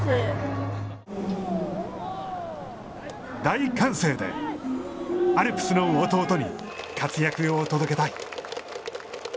大歓声でアルプスの弟に、活躍を届けたい。